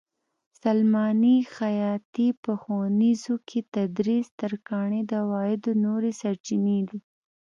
سلماني؛ خیاطي؛ په ښوونځیو کې تدریس؛ ترکاڼي د عوایدو نورې سرچینې دي.